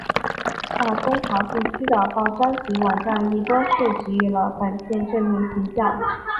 大中华地区的报章及网站亦多数给予了本片正面评价。